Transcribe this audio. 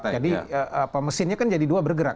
jadi mesinnya kan jadi dua bergerak